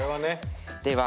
では